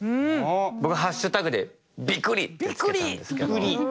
僕ハッシュダグで「＃ビクリ！！」って付けたんですけど。